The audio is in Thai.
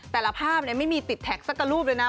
แต่ละภาพไม่มีติดแท็กสักรูปเลยนะ